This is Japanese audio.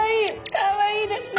かわいいですね。